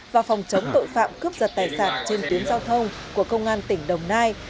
và phòng chống tội phạm cướp giật tài sản trên tuyến giao thông của công an tỉnh đồng nai